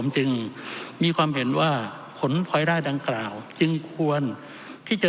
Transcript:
จึงมีความเห็นว่าผลพลอยได้ดังกล่าวจึงควรที่จะ